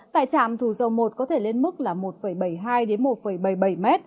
tại trạm thủ dầu một có thể lên mức một sáu mươi tám một bảy mươi ba m